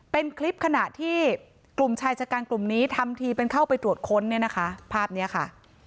เป็นคลิปขณะที่กลุ่มชายชะกันกลุ่มนี้ทำทีเป็นเข้าไปตรวจค้นเนี่ยนะคะภาพนี้ค่ะ